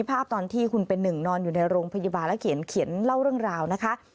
ภาพตอนที่คุณเป็นหนึ่งนอนอยู่ในโรงพยาบาลแล้วเขียนเล่าเรื่องราวนะคะ